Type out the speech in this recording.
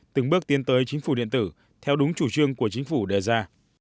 từng bước tiến tới chính phủ điện tử theo đúng chủ trương của chính phủ đề ra